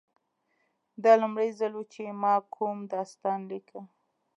دا لومړی ځل و چې ما کوم داستان لیکه